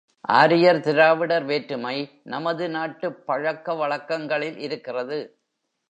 ஆரியர் திராவிடர் வேற்றுமை நமது நாட்டுப் பழக்க வழக்கங்களில் இருக்கிறது.